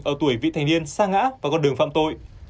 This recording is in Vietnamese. ở tuổi vị thành niên xa ngã vào con đường phạm tội